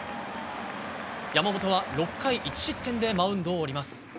山本は、６回１失点でマウンドを降ります。